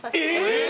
え！